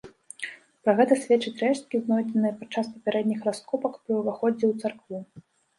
Пра гэта сведчаць рэшткі, знойдзеныя падчас папярэдніх раскопак пры ўваходзе ў царкву.